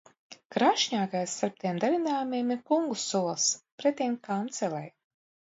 Krāšņākais starp tiem darinājumiem ir kungu sols, pretim kancelei.